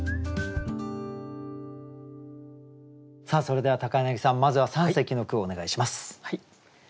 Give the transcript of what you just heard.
さあそれでは柳さんまずは三席の句をお願いします。